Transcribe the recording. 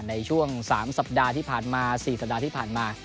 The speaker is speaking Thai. ในช่วง๓สัปดาห์ที่ผ่านมา๔สัปดาห์ที่ผ่านมา